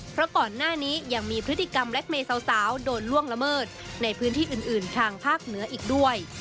เพราะก่อนหน้านี้ยังมีพฤติกรรมแล็คเมย์สาวโดนล่วงละเมิดในพื้นที่อื่นทางภาคเหนืออีกด้วย